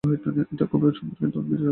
এটা খুবই সুন্দর, কিন্তু অনেক বিষাক্ত।